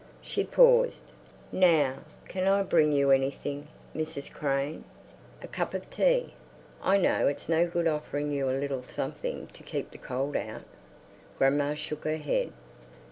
She paused. "Now, can I bring you anything, Mrs Crane? A cup of tea? I know it's no good offering you a little something to keep the cold out." Grandma shook her head.